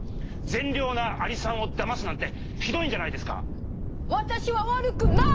善良なアリさんをだますなんてひどいんじゃないですか！